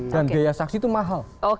dan biaya saksi itu mahal